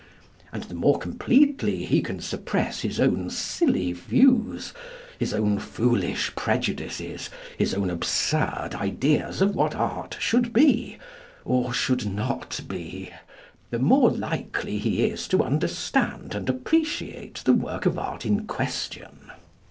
And the more completely he can suppress his own silly views, his own foolish prejudices, his own absurd ideas of what Art should be, or should not be, the more likely he is to understand and appreciate the work of art in question.